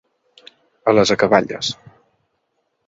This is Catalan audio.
A les acaballes.